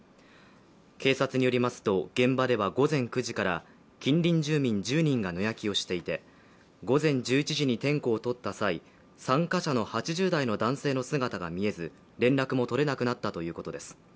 警察によりますと現場では午前９時から近隣住民１０人が野焼きをしていて午前１１時に点呼をとった際参加者の８０代の男性の姿が見えず連絡も取れなくなったということです。